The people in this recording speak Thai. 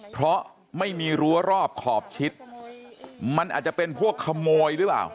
เพราะไม่มีรั้วรอบขอบชิดมันอาจจะเป็นพวกขโมยหรือเปล่า